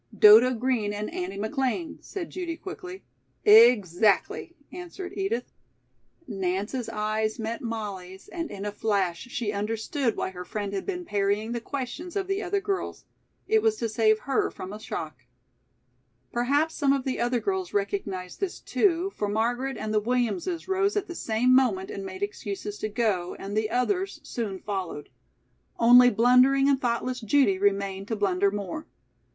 "Dodo Green and Andy McLean," said Judy quickly. "Exactly," answered Edith. Nance's eyes met Molly's and in a flash she understood why her friend had been parrying the questions of the other girls. It was to save her from a shock. Perhaps some of the other girls recognized this, too, for Margaret and the Williamses rose at the same moment and made excuses to go, and the others soon followed. Only blundering and thoughtless Judy remained to blunder more.